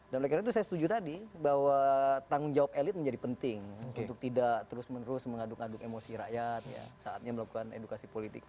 dan oleh karena itu saya setuju tadi bahwa tanggung jawab elit menjadi penting untuk tidak terus menerus mengaduk aduk emosi rakyat saatnya melakukan edukasi politik